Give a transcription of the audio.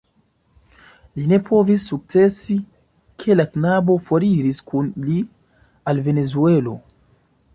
Li ne povis sukcesi, ke la knabo foriris kun li al Venezuelo.